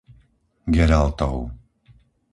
Geraltov